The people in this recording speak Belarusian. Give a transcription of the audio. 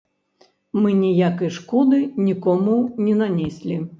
Мы ніякай шкоды нікому не нанеслі.